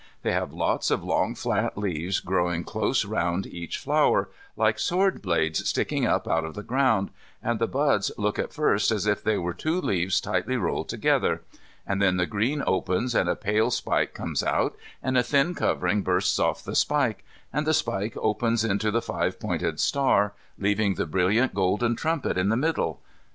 They have lots of long flat leaves growing close round each flower, like sword blades sticking up out of the ground, and the buds look at first as if they were two leaves tightly rolled together. And then the green opens and a pale spike comes out, and a thin covering bursts off the spike, and the spike opens into the five pointed star, leaving the brilliant golden trumpet in the middle.